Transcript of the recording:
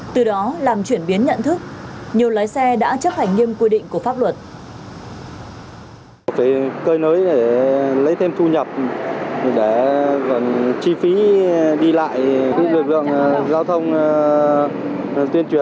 từ đó làm chuyển biến nhận thức nhiều lái xe đã chấp hành nghiêm quy định của pháp luật